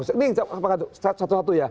ini satu satu ya